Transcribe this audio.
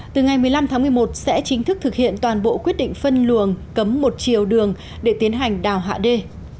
từ ngày một mươi năm tháng một mươi một sẽ chính thức thực hiện toàn bộ quyết định phân luồng cấm một chiều đường để tiến hành đào hạ đê